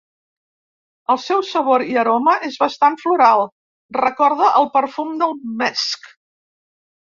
El seu sabor i aroma és bastant floral, recorda el perfum del mesc.